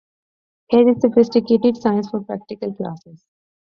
Here is sophisticated science for practical classes.